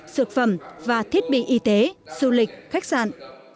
sược phẩm và thiết bị y tế du lịch khách sạn